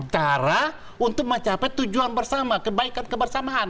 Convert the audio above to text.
cara untuk mencapai tujuan bersama kebaikan kebersamaan